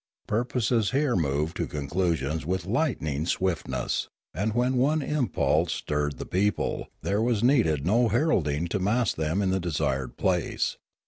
Purposes here moved to conclusions with light ning swiftness, and when one impulse stirred the people, there was needed no heralding to mass them in the desired place.